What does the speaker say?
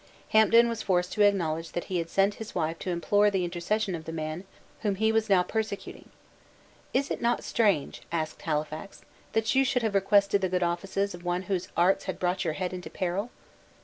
Hampden was forced to acknowledge that he had sent his wife to implore the intercession of the man whom he was now persecuting. "Is it not strange," asked Halifax, "that you should have requested the good offices of one whose arts had brought your head into peril?"